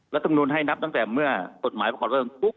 ลักษมนตร์ให้นับตั้งแต่เมื่อผลของกฎหมายเริ่มปุ๊บ